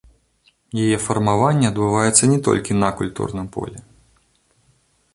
Яе фармаванне адбываецца не толькі на культурным полі.